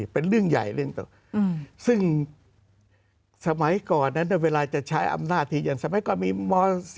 เป็นเรื่องใหญ่เรื่องซึ่งสมัยก่อนนั้นเวลาจะใช้อำนาจที่อย่างสมัยก่อนมีม๔